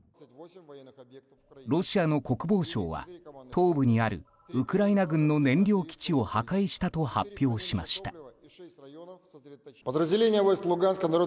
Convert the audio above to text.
ロシアの国防省は東部にあるウクライナ軍の燃料基地を破壊したと発表しました。